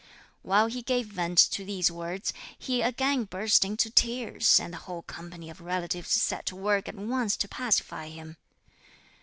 While he gave vent to these words, he again burst into tears, and the whole company of relatives set to work at once to pacify him.